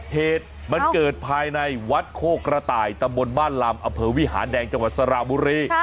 เหตุมันเกิดภายในวัดโคกระต่ายตำบลบ้านลำอเภอวิหารแดงจังหวัดสระบุรี